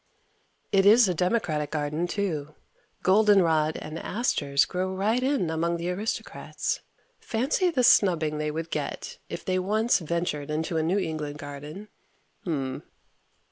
It is a democratic garden, too. Golden rod and asters grow right in among the aristocrats. Fancy the snubbing they would get if they once ventured into a New England garden Hm.